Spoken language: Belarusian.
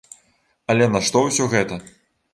Але нашто ўсё гэта?